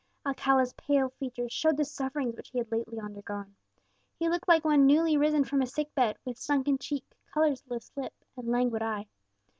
Alcala's pale features showed the sufferings which he had lately undergone: he looked like one newly risen from a sick bed, with sunken cheek, colourless lip, and languid eye.